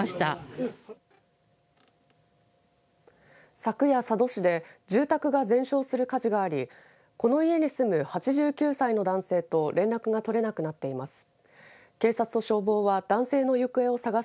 昨夜、佐渡市で住宅が全焼する火事がありこの家に住む８９歳の男性と連絡が取れなくなっています。